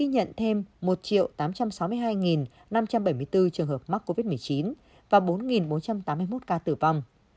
ghi nhận thêm một tám trăm sáu mươi hai năm trăm bảy mươi bốn trường hợp mắc covid một mươi chín và bốn bốn trăm tám mươi một ca tử vong